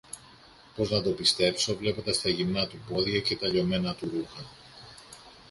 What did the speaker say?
Πώς να το πιστέψω, βλέποντας τα γυμνά του πόδια και τα λιωμένα του ρούχα;